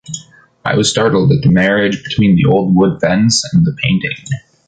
I was startled at the marriage between the old wood fence and the painting.